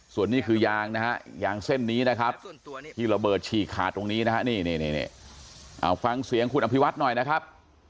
ส่วนนี้คือยางนะฮะยางเส้นนี้นะครับที่ระเบิดฉีกขาดตรงนี้นะฮะนี่เอาฟังเสียงคุณอภิวัฒน์หน่อยนะครับ